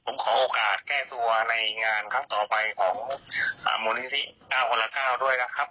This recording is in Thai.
ผมขอโอกาสแก้ตัวในงานครั้งต่อไปของมูลนิธิ๙คนละ๙ด้วยนะครับ